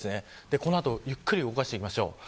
この後、ゆっくりと動かしていきましょう。